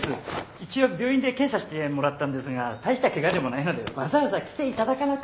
一応病院で検査してもらったんですが大したケガでもないのでわざわざ来ていただかなくってもよかっ。